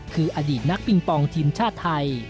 คืออดีตนักปิงปองทีมชาติไทย